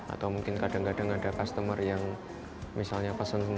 atau mungkin kadang kadang ada customer yang misalnya pesen